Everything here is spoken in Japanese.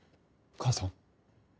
母さん。